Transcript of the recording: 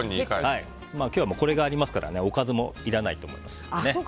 今日はこれがありますからおかずもいらないと思います。